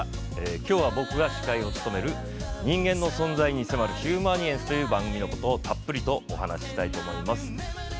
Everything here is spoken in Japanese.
きょうは僕が司会を務める人間の存在に迫る「ヒューマニエンス」という番組のことをたっぷりとお話したいと思います。